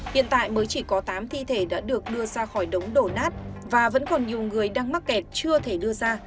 hiện tại mới chỉ có tám thi thể đã được đưa ra khỏi đống đổ nát và vẫn còn nhiều người đang mắc kẹt chưa thể đưa ra